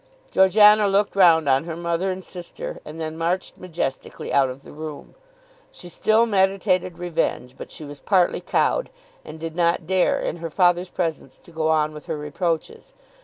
Georgiana looked round on her mother and sister and then marched majestically out of the room. She still meditated revenge, but she was partly cowed, and did not dare in her father's presence to go on with her reproaches.